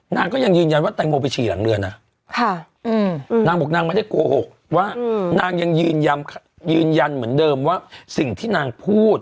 นางก็ยังยืนยันว่าแตงโมไปฉี่หลังเรือนะนางบอกนางไม่ได้โกหกว่านางยังยืนยันยืนยันเหมือนเดิมว่าสิ่งที่นางพูด